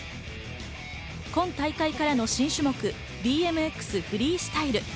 今大会からの新種目、ＢＭＸフリースタイル。